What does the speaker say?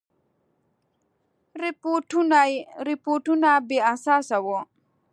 رپوټونه بې اساسه وه.